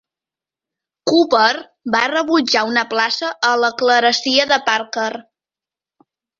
Cowper va rebutjar una plaça a la clerecia de Parker.